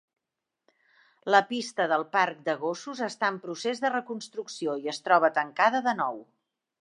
La pista del parc de gossos està en procés de reconstrucció i es troba tancada de nou.